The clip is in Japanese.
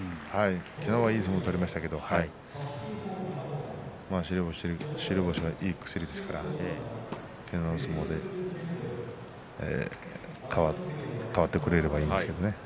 昨日はいい相撲を取りましたけれどもそれでも白星がいい薬ですから昨日の相撲で変わってくれればいいんですけどね。